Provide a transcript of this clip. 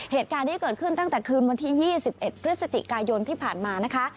เหตุการณ์นี้เกิดขึ้นตั้งแต่คืนวันที่๒๑พฤศจิกายนที่ผ่านมานะคะ